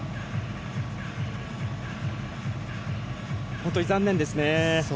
本当に残念ですね。